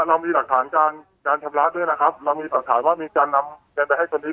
เรามีหลักฐานการการชำระด้วยนะครับเรามีหลักฐานว่ามีการนำแกนไปให้ตัวนี้